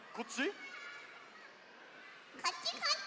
・こっちこっち！